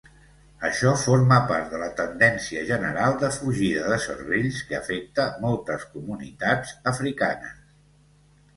Això forma part de la tendència general de fugida de cervells que afecta moltes comunitats africanes.